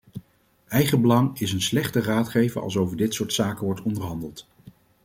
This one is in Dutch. Eigen belang is een slechte raadgever als over dit soort zaken wordt onderhandeld.